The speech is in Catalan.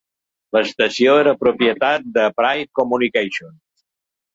L'estació era propietat de Pride Communications.